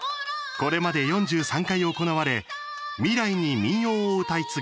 これまで４３回、行われ未来に民謡を歌い継ぐ